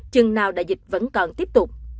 chừng nào đại dịch vẫn còn tiếp tục